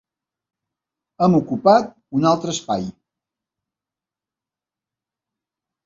Hem ocupat un altre espai!